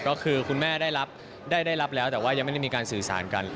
ก็คือคุณแม่ได้รับได้รับแล้วแต่ว่ายังไม่ได้มีการสื่อสารกัน